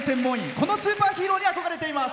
このスーパーヒーローに憧れています。